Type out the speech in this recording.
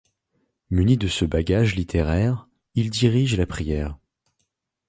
Muni de ce bagage littéraire, il dirige la prière.